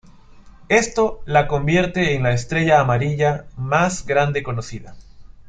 Esto la convierte en la estrella amarilla más grande conocida.